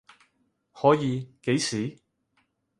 可以，幾時？